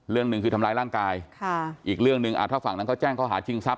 เรื่องหนึ่งคือทำร้ายร่างกายค่ะอีกเรื่องหนึ่งถ้าฝั่งนั้นเขาแจ้งเขาหาชิงทรัพ